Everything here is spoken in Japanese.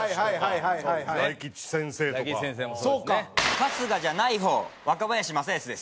春日じゃない方若林正恭です。